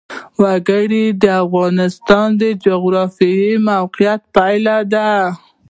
وګړي د افغانستان د جغرافیایي موقیعت پایله ده.